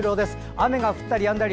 雨が降ったりやんだり。